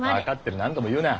何度も言うなッ！